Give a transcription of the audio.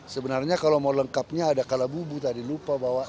sebenarnya kalau mau lengkapnya ada kalabubu tadi lupa bawa